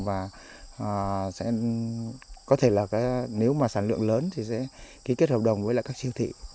và có thể là nếu mà sản lượng lớn thì sẽ ký kết hợp đồng với các siêu thị